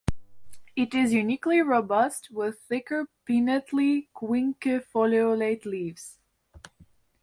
It is uniquely robust with thicker pinnately quinquefoliolate leaves.